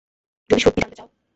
যদি সত্যি জানতে চাও?